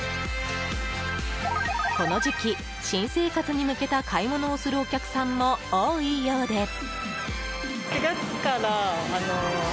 この時期新生活に向けた買い物をするお客さんも多いようで。